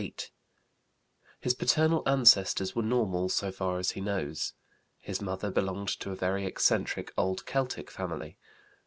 His paternal ancestors were normal, so far as he knows. His mother belonged to a very eccentric old Celtic family.